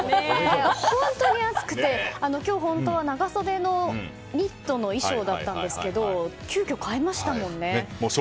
本当に暑くて今日、本当は長袖ニットの衣装でしたが急きょ変えましたもんね。